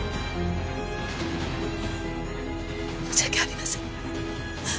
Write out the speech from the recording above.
申し訳ありません。